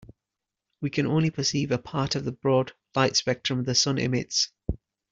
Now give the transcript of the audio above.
We can only perceive a part of the broad light spectrum the sun emits.